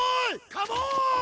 カモン！